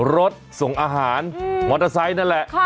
รถส่งอาหารมอเตอร์ไซค์นั่นแหละ